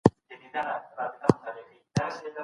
عبدالمجيد بابى لطيف بابى